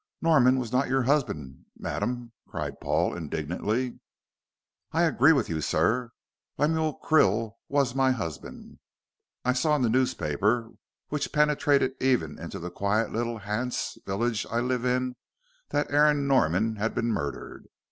"Norman was not your husband, madam," cried Paul, indignantly. "I agree with you, sir. Lemuel Krill was my husband. I saw in the newspapers, which penetrate even into the quiet little Hants village I live in, that Aaron Norman had been murdered.